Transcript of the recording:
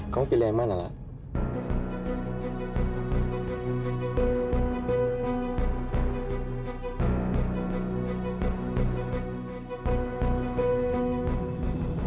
kamu pilih yang mana lah